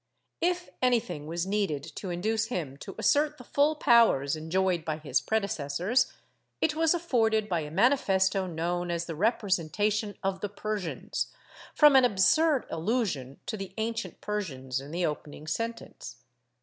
^ If anything was needed to induce him to assert the full powers enjoyed by his predecessors it was afforded by a manifesto known as the Representation of the Persians, from an absurd allusion to the ancient Persians in the opening sentence.